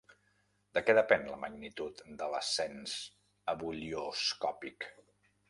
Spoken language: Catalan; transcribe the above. De què depèn la magnitud de l'ascens ebullioscòpic?